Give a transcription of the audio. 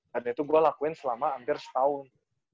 dan itu gue lakuin selama hampir setahun